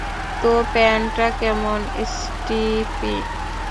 তো, প্যান্টটা কেমন, স্টিফি?